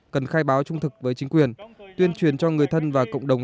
cần khai báo trung thực với chính quyền tuyên truyền cho người thân và cộng đồng